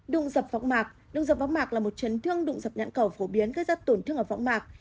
đụng dập võng mạc đụng dập võng mạc là một chấn thương đụng dập nhãn cầu phổ biến gây ra tổn thương ở võng mạc